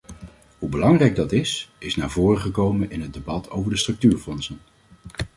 Hoe belangrijk dat is, is naar voren gekomen in het debat over de structuurfondsen.